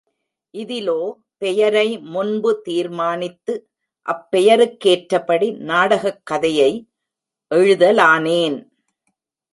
இதிலோ பெயரை முன்பு தீர்மானித்து, அப்பெயருக் கேற்றபடி, நாடகக் கதையை எழுதலானேன்!